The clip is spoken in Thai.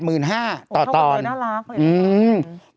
เขาเป็นน่ารัก